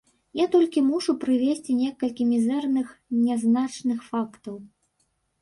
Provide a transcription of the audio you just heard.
Я толькі мушу прывесці некалькі мізэрных, нязначных фактаў.